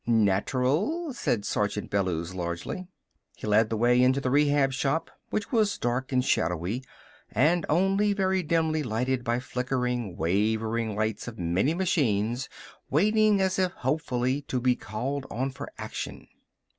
"Natural!" said Sergeant Bellews largely. He led the way into the Rehab Shop, which was dark and shadowy, and only very dimly lighted by flickering, wavering lights of many machines waiting as if hopefully to be called on for action.